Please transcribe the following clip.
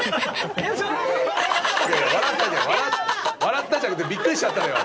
「笑った」じゃなくてびっくりしちゃったのよ。